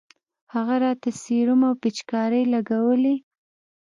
هغې راته سيروم او پيچکارۍ لګولې.